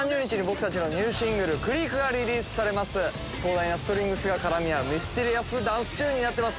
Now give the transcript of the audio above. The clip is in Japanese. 壮大なストリングスが絡み合うミステリアスダンスチューンになってます。